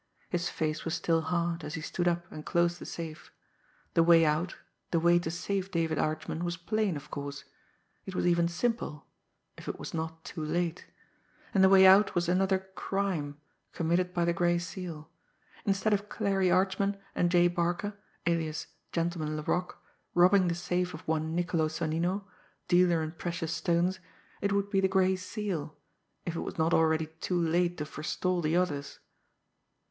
His face was still hard, as he stood up and closed the safe. The way out, the way to save David Archman was plain, of course. It was even simple if it was not too late! And the way out was another "crime" committed by the Gray Seal! Instead of Clarie Archman and J. Barca, alias Gentleman Laroque, robbing the safe of one Niccolo Sonnino, dealer in precious stones, it would be the Gray Seal if it was not already too late to forestall the others!